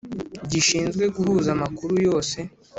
Gishinzwe guhuza amakuru yose.